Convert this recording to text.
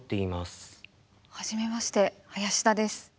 初めまして林田です。